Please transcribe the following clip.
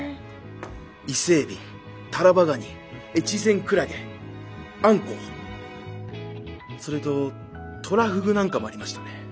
イセエビタラバガニエチゼンクラゲアンコウそれとトラフグなんかもありましたね。